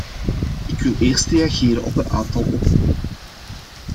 Ik wil eerst reageren op een aantal opmerkingen.